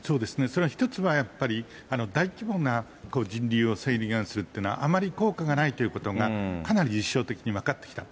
それは一つはやっぱり、大規模な人流を制限するというのは、あまり効果がないということが、かなり実証的に分かってきた。